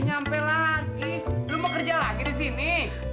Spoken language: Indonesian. nyampe lagi belum mau kerja lagi di sini